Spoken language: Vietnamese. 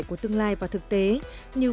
của tương lai và thực tế như